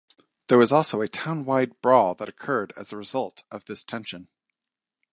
There was also a town-wide brawl that occurred as a result of this tension.